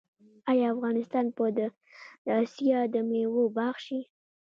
آیا افغانستان به د اسیا د میوو باغ شي؟